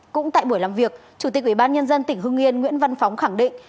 cũng tại buổi làm việc chủ tịch ủy ban nhân dân tỉnh hương yên nguyễn văn phóng khẳng định